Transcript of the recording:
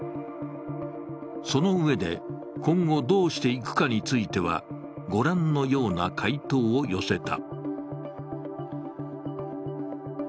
そのうえで、今後どうしていくかについてはご覧のような回答を寄せた。